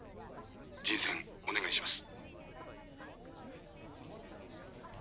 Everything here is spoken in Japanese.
人選お願いします。